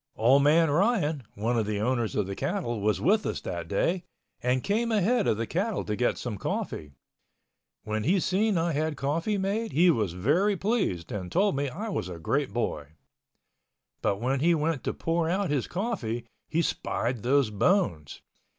Old man Ryan, one of the owners of the cattle, was with us that day, and came ahead of the cattle to get some coffee. When he seen I had coffee made, he was very pleased, and told me I was a great boy. But when he went to pour out his coffee, he spied those bones.